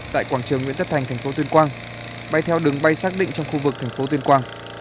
tại quảng trường nguyễn tất thành thành phố tuyên quang bay theo đường bay xác định trong khu vực thành phố tuyên quang